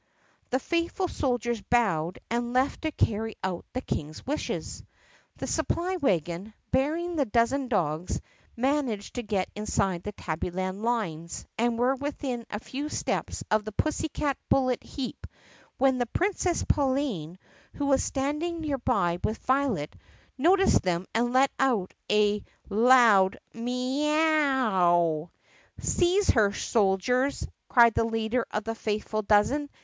The faithful soldiers bowed and left to carry out the King's wishes. The supply wagon, bearing the dozen dogs, managed to get inside the Tabbyland lines and were within a few steps of the pussycat bullet heap when the Princess Pauline, who was standing near by with Violet, noticed them and let out a loud "Mee ow!" "Seize her, soldiers!" cried the leader of the faithful dozen.